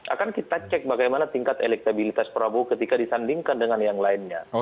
akan kita cek bagaimana tingkat elektabilitas prabowo ketika disandingkan dengan yang lainnya